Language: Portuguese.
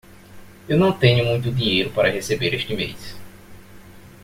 Eu não tenho muito dinheiro para receber este mês.